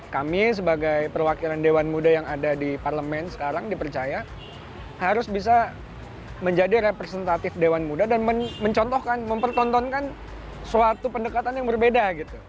kami sebagai perwakilan dewan muda yang ada di parlemen sekarang dipercaya harus bisa menjadi representatif dewan muda dan mempertontonkan suatu pendekatan yang berbeda